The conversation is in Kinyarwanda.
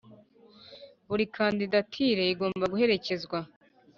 Buri kandidatire igomba guherekezwa